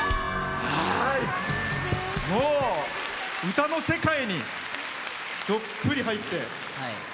歌の世界にどっぷり入って。